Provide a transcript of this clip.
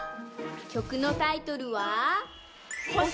きょくのタイトルは。